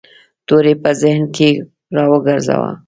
توری په ذهن کې را وګرځاوه.